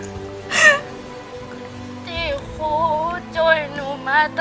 หนูขอบคุณครูมาก